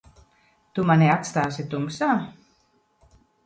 Tu mani atstāsi tumsā?